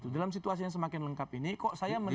dalam situasi yang semakin lengkap ini kok saya menerima